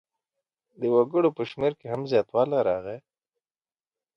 د وګړو په شمېر کې هم زیاتوالی راغی.